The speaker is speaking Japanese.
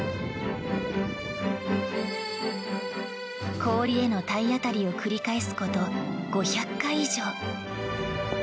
氷への体当たりを繰り返すこと５００回以上。